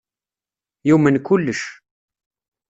Yumen kullec.